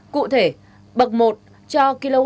cụ thể bậc một cho kwh